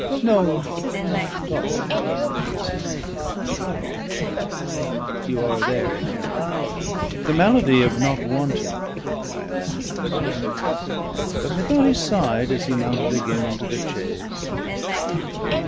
"No, not all," says he: "not all. You are there in error. The malady of not wanting, my evangelist." But methought he sighed as he mounted again into the chaise.